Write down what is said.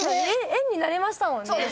円になれましたもんね。